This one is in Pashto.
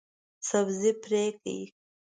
سبزي پرې کړئ